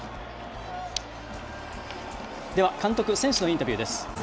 では監督、選手のインタビューです。